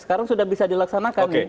sekarang sudah bisa dilaksanakan